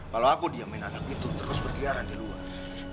kalau aku diamkan anak itu terus berliaran di luar